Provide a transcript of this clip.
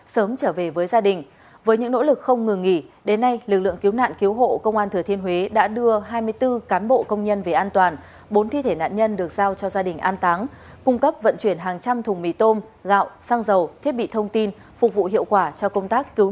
xin chào quý vị và các bạn